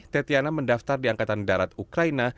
tetiana mendaftar di angkatan darat ukraina